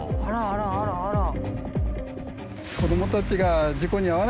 あらあらあらあら。